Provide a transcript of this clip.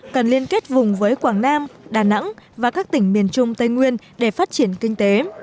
cần liên kết vùng với quảng nam đà nẵng và các tỉnh miền trung tây nguyên để phát triển kinh tế